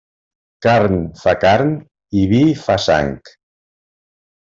Carn fa carn i vi fa sang.